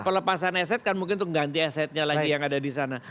pelepasan eset kan mungkin untuk mengganti essetnya lagi yang ada di sana